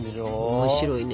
面白いね。